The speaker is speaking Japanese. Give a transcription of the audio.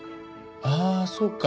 ああそうか。